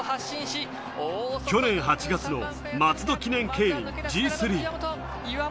去年８月の松戸記念競輪Ｇ３。